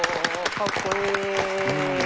かっこいい。